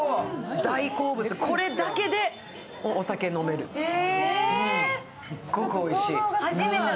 大好物、これだけでお酒飲める。